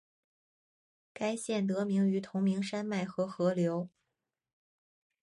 该县得名于同名山脉和河流。